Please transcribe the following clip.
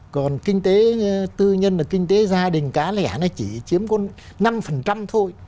còn kinh tế tư nhân là kinh tế gia đình cá lẻ nó chỉ chiếm con năm thôi